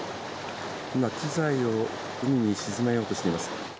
今、機材を海に沈めようとしています。